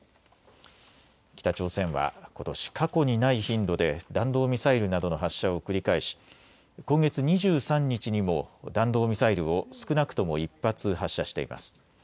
北朝鮮はことし、過去にない頻度で弾道ミサイルなどの発射を繰り返し今月２３日にも弾道ミサイルを少なくとも１発発射しています。